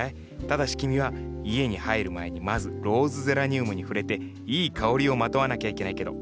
ただし君は家に入る前にまずローズゼラニウムに触れていい香りをまとわなきゃいけないけど。